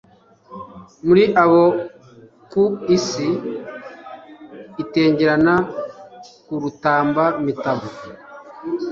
Muri abo ku isi itengerana, Ku Rutamba-mitavu.